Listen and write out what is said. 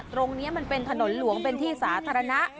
ตรงนี้มันเป็นถนนหลวงเป็นที่สาธารณะ